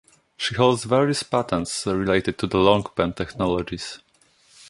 She holds various patents related to the LongPen technologies.